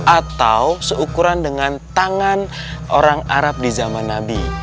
atau seukuran dengan tangan orang arab di zaman nabi